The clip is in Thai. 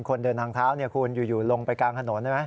คนเดินทางเท้าเนี่ยคุณอยู่ลงไปกลางถนนใช่ไหม